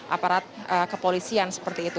aparat kepolisian seperti itu